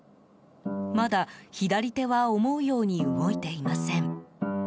まだ、左手は思うように動いていません。